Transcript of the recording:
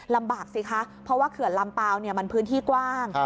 สิคะเพราะว่าเขื่อนลำเปล่ามันพื้นที่กว้าง